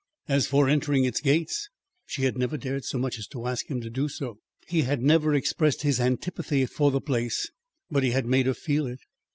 As for entering its gates she had never dared so much as to ask him to do so. He had never expressed his antipathy for the place, but he had made her feel it.